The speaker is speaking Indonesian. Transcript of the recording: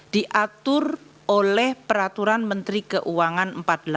diatur oleh peraturan menteri keuangan empat puluh delapan dua ribu delapan